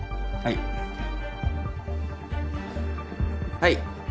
はい。